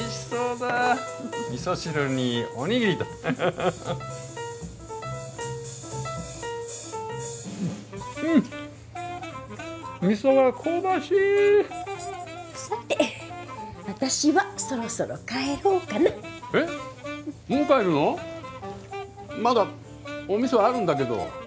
まだお味噌あるんだけど。